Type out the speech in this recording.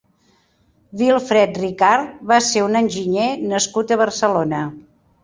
Vilfred Ricart va ser un enginyer nascut a Barcelona.